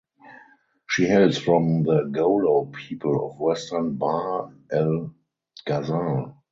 She hails from the Golo people of Western Bahr el Ghazal.